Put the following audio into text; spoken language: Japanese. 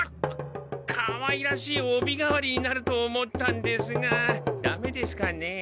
かわいらしいおび代わりになると思ったんですがダメですかね？